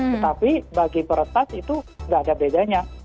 tetapi bagi peretas itu nggak ada bedanya